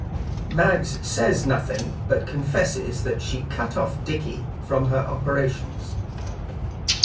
Mags says nothing but confesses that she cut off Dickie from her operations.